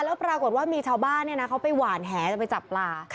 แล้วปรากฏว่ามีชาวบ้านเขาไปหวานแหจะไปจับปลา